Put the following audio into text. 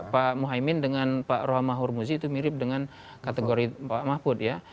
pak muhaymin dengan pak rohamah hurmuzi itu mirip dengan kategori pak mahfud ya